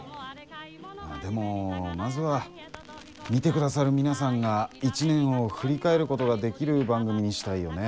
まあでもまずは見てくださる皆さんが一年を振り返ることができる番組にしたいよね。